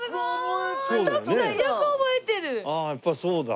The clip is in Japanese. ああやっぱりそうだ。